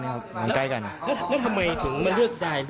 อารมณ์ชั่ววูบไม่ได้หลืกตัว